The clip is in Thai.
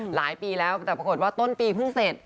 หลายปีแล้วแต่ปรากฏว่าต้นปีเพิ่งเสร็จ